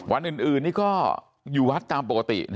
วันอื่นนี่ก็อยู่วัดตามปกติ